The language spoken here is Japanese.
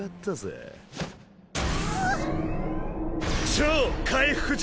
「超回復術」！